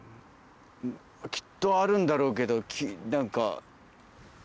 きっとあるんだろうけど。